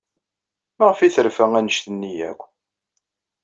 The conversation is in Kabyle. Maɣef ay terfa anect-nni akk?